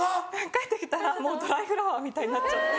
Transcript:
帰ってきたらもうドライフラワーみたいになっちゃって。